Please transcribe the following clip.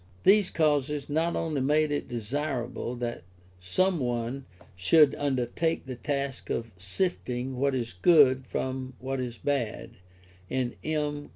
These causes not only made it desirable that some one should undertake the task of sifting what is good from what is bad in M.